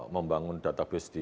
membangun database di